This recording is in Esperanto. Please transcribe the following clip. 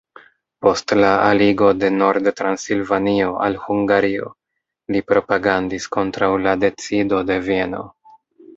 Post la aligo de Nord-Transilvanio al Hungario, li propagandis kontraŭ la decido de Vieno.